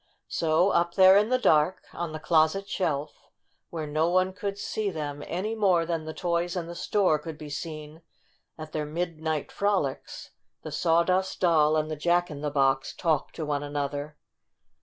So up there in the dark, on the closet shelf, where no one could see them any more than the toys in the store could be seen at their midnight frolics, the Sawdust Doll and the Jack in the Box talked to one another.